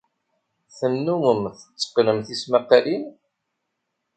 Tennummem tetteqqnem tismaqqalin?